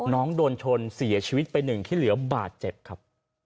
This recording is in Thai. น้องโดนชนเสียชีวิตไป๑คิดเหลือบาทเจ็บครับ